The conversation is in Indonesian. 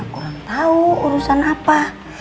kurang tau urusan apa